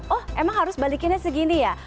oh emang harus balikinnya segini ya